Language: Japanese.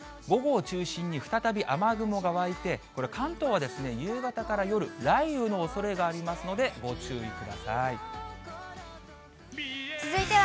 午後を中心に再び雨雲が湧いて、これ、関東は夕方から夜、雷雨のおそれがありますので、ご注意ください。